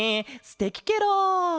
すてきケロ。